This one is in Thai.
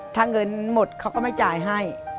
ถ้าเงินหมดเขาก็ไม่จ่ายให้